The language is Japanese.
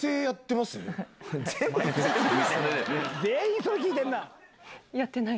全員にそれ聞いてんな。